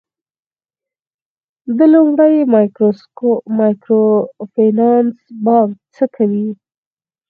د لومړي مایکرو فینانس بانک څه کوي؟